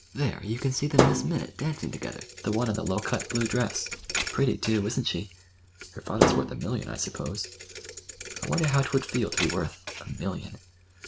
There, you can see them this minute, dancing together—the one in the low cut, blue dress. Pretty, too, isn't she? Her father's worth a million, I suppose. I wonder how 'twould feel to be worth—a million."